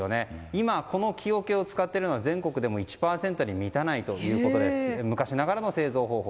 今この木おけを使っているのは全国でも１％に満たないということで昔ながらの製造方法。